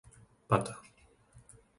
Pata